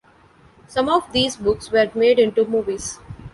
Some of these books were made into movies.